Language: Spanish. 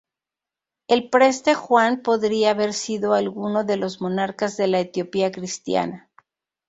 El preste Juan podría haber sido alguno de los monarcas de la Etiopía cristiana.